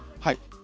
はい。